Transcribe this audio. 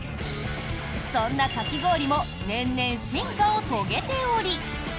そんなかき氷も年々進化を遂げており